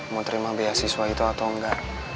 mau terima biaya siswa itu atau engga